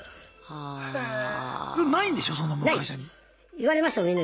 言われましたもん